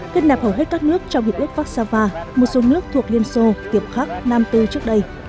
kết nạp hầu hết các nước trong hiệp ước vác xa va một số nước thuộc liên xô tiệp khắc nam tư trước đây